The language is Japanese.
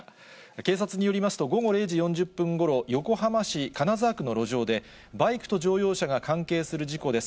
警察によりますと、午後０時４０分ごろ、横浜市金沢区の路上で、バイクと乗用車が関係する事故です。